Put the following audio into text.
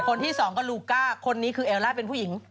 คนที่สองก็ลูก้าคนนี้คือเอลล่าเป็นผู้หญิง